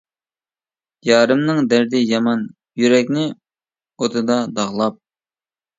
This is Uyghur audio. يارىمنىڭ دەردى يامان، يۈرەكنى ئوتىدا داغلاپ.